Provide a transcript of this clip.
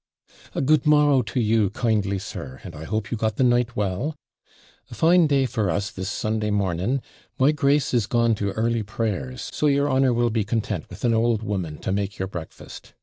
'A good morrow to you kindly, sir, and I hope you got the night well? A fine day for us this Sunday morning; my Grace is gone to early prayers, so your honour will be content with an old woman to make your breakfast.